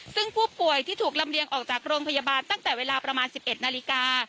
ซึ่งผู้ป่วยที่ถูกลำเลียงออกจากโรงพยาบาลตั้งแต่เวลาประมาณ๑๑นาฬิกา